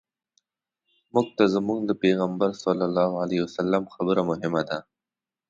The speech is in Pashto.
موږ ته زموږ د پیغمبر صلی الله علیه وسلم خبره مهمه ده.